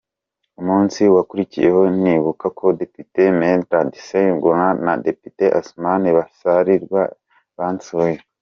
Umunsi wakurikiyeho nibuka ko Depite Medard Ssegona na Depite Asuman Basalirwa bansuye.